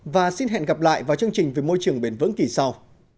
và xin hẹn gặp lại vào chương trình vì môi trường bền vững kỳ sau